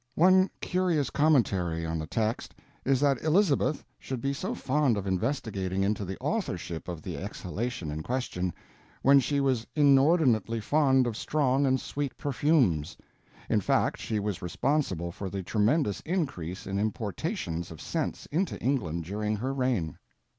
One curious commentary on the text is that Elizabeth should be so fond of investigating into the authorship of the exhalation in question, when she was inordinately fond of strong and sweet perfumes; in fact, she was responsible for the tremendous increase in importations of scents into England during her reign.